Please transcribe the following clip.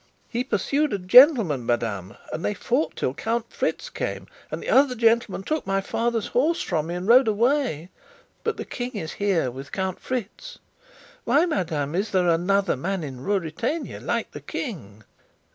"He pursued a gentleman, madame, and they fought till Count Fritz came; and the other gentleman took my father's horse from me and rode away; but the King is here with Count Fritz. Why, madame, is there another man in Ruritania like the King?"